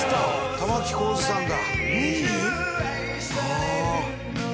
「玉置浩二さんだ」